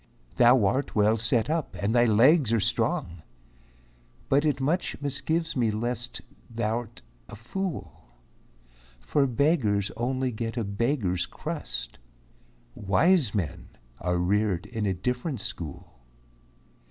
"Thou art well set up, and thy legs are strong, But it much misgives me lest thou'rt a fool; For beggars get only a beggar's crust, Wise men are reared in a different school."